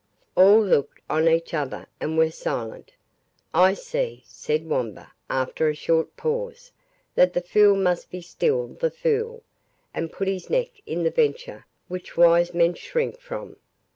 All looked on each other, and were silent. "I see," said Wamba, after a short pause, "that the fool must be still the fool, and put his neck in the venture which wise men shrink from.